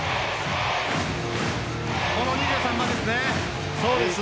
この２３番です。